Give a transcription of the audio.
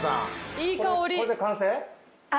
いい香り。